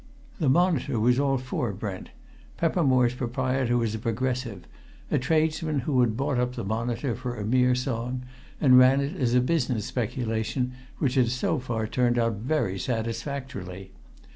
The Monitor was all for Brent Peppermore's proprietor was a Progressive; a tradesman who had bought up the Monitor for a mere song, and ran it as a business speculation which had so far turned out very satisfactorily.